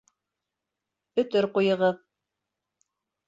Өтөр ҡуйығыҙ.